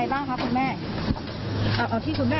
จริงถ้าเห็นเส้นนี้ค่ะแม่